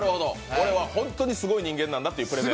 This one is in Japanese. これは本当にすごい人間なんだということで。